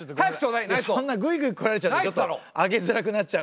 そんなぐいぐい来られちゃうとちょっとあげづらくなっちゃうんで。